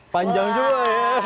panjang juga ya